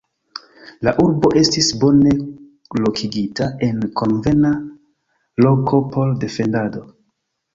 La urbo estis bone lokigita en konvena loko por defendado.